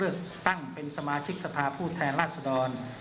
เลือกตั้งเป็นสมาชิกสภาผู้แทนราชดร